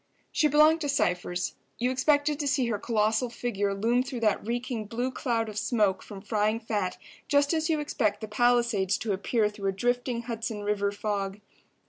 She belonged to Cypher's. You expected to see her colossal figure loom through that reeking blue cloud of smoke from frying fat just as you expect the Palisades to appear through a drifting Hudson River fog.